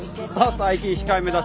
最近控えめだし。